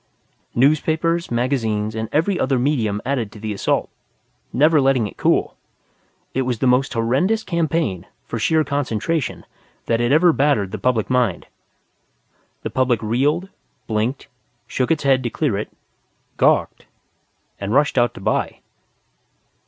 _" Newspapers, magazines and every other medium added to the assault, never letting it cool. It was the most horrendous campaign, for sheer concentration, that had ever battered at the public mind. The public reeled, blinked, shook its head to clear it, gawked, and rushed out to buy.